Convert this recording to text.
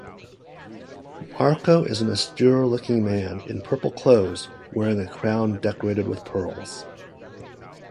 Marko is an austere-looking man in purple clothes, wearing a crown decorated with pearls.